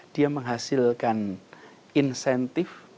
dia menghasilkan insentif